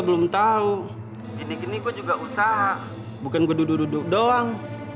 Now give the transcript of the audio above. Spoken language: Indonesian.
bukan gua duduk duduk doang